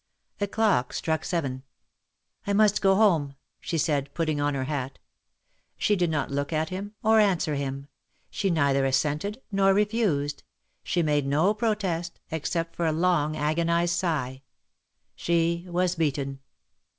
A clock struck seven. "I must go home," she said, putting on her hat. DEAD LOVE. HAS CHAINS. 363 She did not look at him, or answer him. She neither assented nor refused. She made no protest, except for a long agonised sigh. She was beaten.